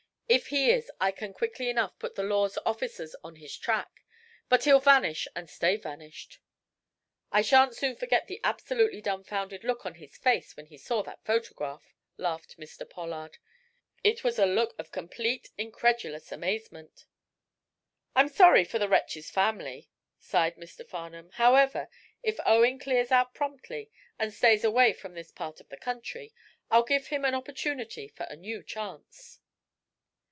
If he is, I can quickly enough put the law's officers on his track. But he'll vanish and stay vanished." "I shan't soon forget the absolutely dumfounded look on his face when he saw that photograph," laughed Mr. Pollard. "It was a look of complete, incredulous amazement." "I'm sorry for the wretch's family," sighed Mr. Farnum. "However, if Owen clears out promptly, and stays away from this part of the country, I'll give him an opportunity for a new chance."